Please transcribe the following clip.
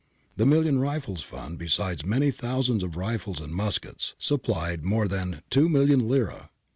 The Million Rifles Fund, besides many thousands of rifles and muskets, supplied more than 2,000,000 lire {BertaniComp. p.